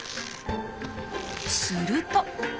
すると。